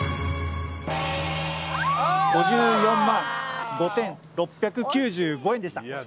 ５４万５，６９５円でした。